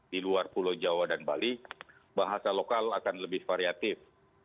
di luar pulau jawa dan bali bahasa lokal akan lebih variatif